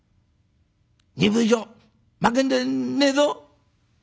２分以上まけるでねえぞ」。